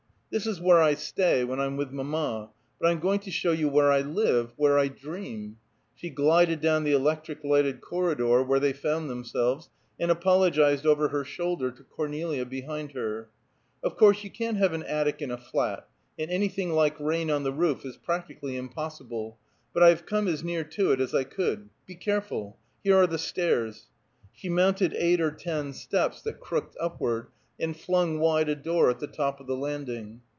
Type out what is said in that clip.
This is where I stay, when I'm with mamma, but I'm going to show you where I live, where I dream." She glided down the electric lighted corridor where they found themselves, and apologized over her shoulder to Cornelia behind her: "Of course, you can't have an attic in a flat; and anything like rain on the roof is practically impossible; but I've come as near to it as I could. Be careful! Here are the stairs." She mounted eight or ten steps that crooked upward, and flung wide a door at the top of the landing.